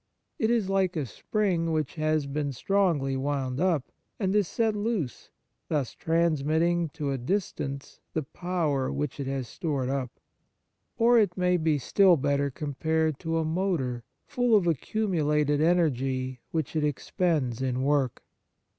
It is like a spring which has been strongly wound up and is set loose, thus transmitting to a dis tance the power which it has stored up. Or it may be still better com pared to a motor, full of accumulated energy, which it expends in work.